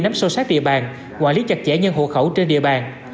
nắm sâu sát địa bàn quản lý chặt chẽ nhân hộ khẩu trên địa bàn